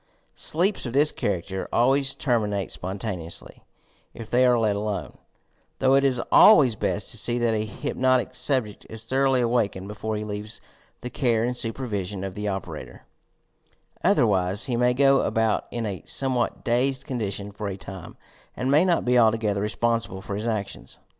Sleeps of this character always terminate spontaneously if they are let alone, — though it is always best to see that a hypnotic subject is thoroughly awakened before he leaves the care and supervision of the operator, otherwise he may go about in a somewhat dazed condition for a time, and may not be altogether responsible for his ac tions.